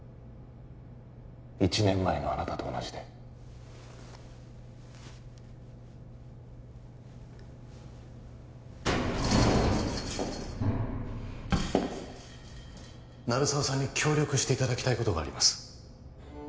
１年前のあなたと同じで鳴沢さんに協力していただきたいことがあります